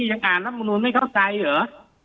ยังอ่านรัฐมนุนไม่เข้าใจเหรอ